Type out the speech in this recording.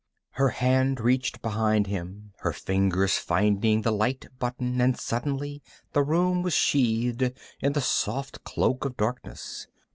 Her hand reached behind him, her fingers finding the light button and suddenly the room was sheathed in the soft cloak of darkness.